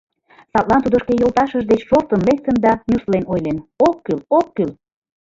Садлан тудо шке йолташыж деч шортын лектын да нюслен ойлен: «Ок кӱл, ок кӱл!